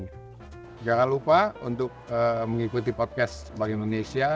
jangan lupa untuk mengikuti podcast bank indonesia